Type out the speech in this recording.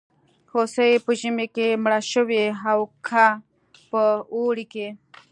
هوسۍ په ژمي کې مړه شوې او که په اوړي کې.